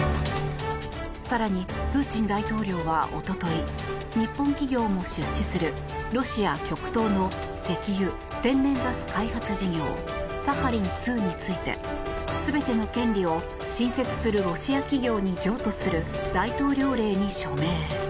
更にプーチン大統領はおととい日本企業も出資するロシア極東の石油・天然ガス開発事業サハリン２について全ての権利を新設するロシア企業に譲渡する大統領令に署名。